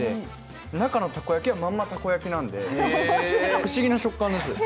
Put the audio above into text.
中のたこ焼きは、まんまたこ焼きなんで、不思議な食感です。